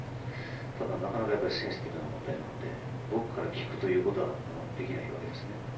ただ、なかなかセンシティブな問題なので僕から聞くことはできないわけですね。